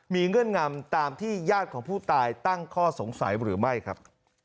มีเงื่อนงำตามที่ญาติของผู้ตายตั้งข้อสงสัยหรือไม่ครับ